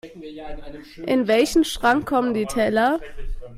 In welchen Schrank kommen die Teller?